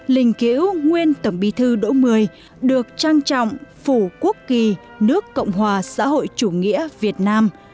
linh kiễu nguyên tổng bí thư đỗ mười được trang trọng phủ quốc kỳ nước cộng hòa xã hội chủ nghĩa việt nam